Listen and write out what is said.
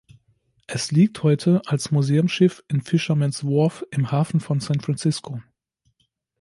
Es liegt heute als Museumsschiff in Fisherman’s Wharf im Hafen von San Francisco.